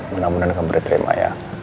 mudah mudahan kamu di terima ya